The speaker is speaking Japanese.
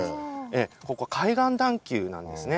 ここ海岸段丘なんですね。